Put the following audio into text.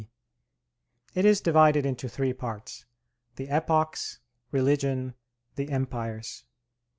D. It is divided into three parts: The Epochs; Religion; the Empires.